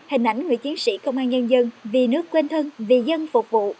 hình ảnh người chiến sĩ công an nhân dân vì nước quên thân vì dân phục vụ